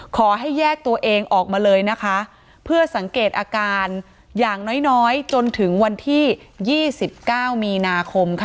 ขอให้แยกตัวเองออกมาเลยนะคะเพื่อสังเกตอาการอย่างน้อยน้อยจนถึงวันที่ยี่สิบเก้ามีนาคมค่ะ